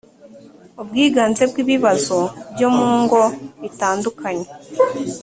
ubwiganze bw ibibazo byo mu ngo bitandukanye